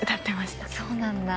そうなんだ。